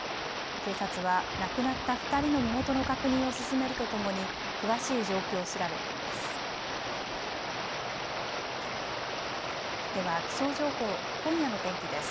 警察は亡くなった２人の身元の確認を進めるとともに詳しい状況を調べています。